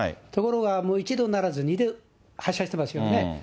ところが、１度ならず２度発射してますよね。